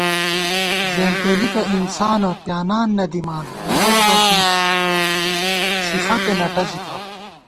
زېنتېلِکہ انسانہ پیانان نہ دِمان مِروت بہ بی سِفَتے نہ ٹَزِتہ